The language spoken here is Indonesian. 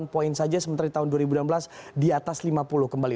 enam poin saja sementara di tahun dua ribu enam belas di atas lima puluh kembali